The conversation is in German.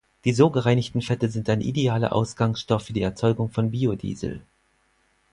Die so gereinigten Fette sind ein idealer Ausgangsstoff für die Erzeugung von Biodiesel.